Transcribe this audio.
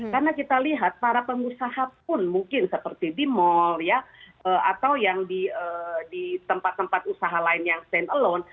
karena kita lihat para pengusaha pun mungkin seperti di mall ya atau yang di tempat tempat usaha lain yang stand alone